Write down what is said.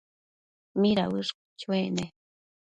¿mida uëshquio chuec ne?